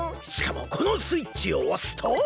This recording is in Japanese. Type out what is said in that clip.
しかもこのスイッチをおすと。